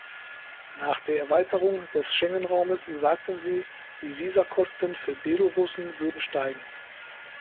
Nach der Erweiterung des Schengenraumes sagten Sie, die Visakosten für Belorussen würden steigen.